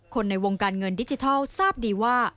ในวงการเงินดิจิทัลทราบดีว่า